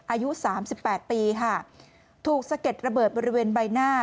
อายุ๓๘ปีถูกสะเก็ดระเบิดบริเวณใบหน้า